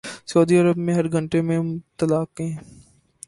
سعودی Arab میں ہر گھنٹے میں طلاقیں